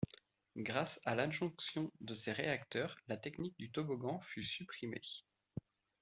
Grâce à l’adjonction de ces réacteurs la technique du toboggan fut supprimée.